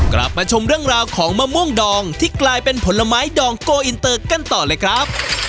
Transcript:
กลับมาชมเรื่องราวของมะม่วงดองที่กลายเป็นผลไม้ดองโกอินเตอร์กันต่อเลยครับ